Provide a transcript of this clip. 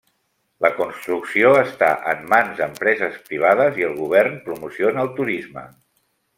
La construcció està en mans d'empreses privades i el govern promociona el turisme.